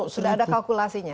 sudah ada kalkulasinya